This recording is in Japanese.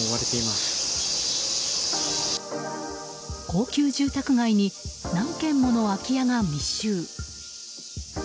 高級住宅街に何軒もの空き家が密集。